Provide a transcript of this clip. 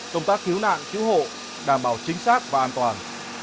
công tác cứu nạn cứu hộ đảm bảo chính xác và an toàn